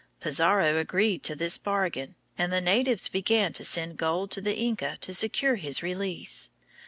Pizarro agreed to this bargain, and the natives began to send gold to the Inca to secure his release.